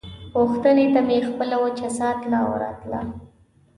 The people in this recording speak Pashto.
پوښتنې ته مې خپله وچه ساه تله او راتله.